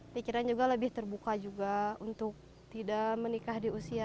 pikiran juga lebih terbuka juga untuk tidak menikah di usia